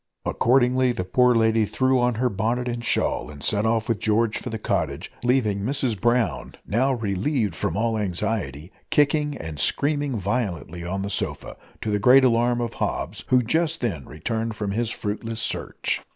Accordingly, the poor lady threw on her bonnet and shawl and set off with George for the cottage, leaving Mrs Brown, now relieved from all anxiety, kicking and screaming violently on the sofa, to the great alarm of Hobbs, who just then returned from his fruitless search.